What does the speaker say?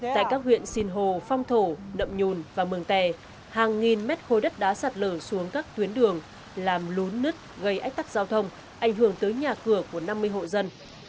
tại các huyện sinh hồ phong thổ đậm nhùn và mường tè hàng nghìn mét khối đất đá sạt lở xuống các tuyến đường làm lún nứt gây ách tắc giao thông ảnh hưởng tới nhà cửa của năm mươi hộ dân